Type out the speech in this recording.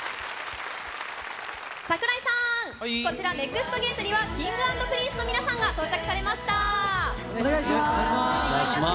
櫻井さん、こちらネクストゲートにはＫｉｎｇ＆Ｐｒｉｎｃｅの皆さんが到着されました。